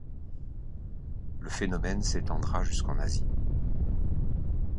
Le phénomène s'étendra jusqu'en Asie.